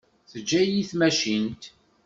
Teǧǧa-yi tmacint.